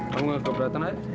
kamu mau ke beratan ayah